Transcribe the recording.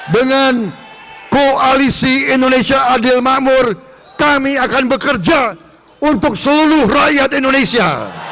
dengan koalisi indonesia adil makmur kami akan bekerja untuk seluruh rakyat indonesia